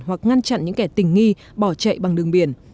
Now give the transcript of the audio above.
hoặc ngăn chặn những kẻ tình nghi bỏ chạy bằng đường biển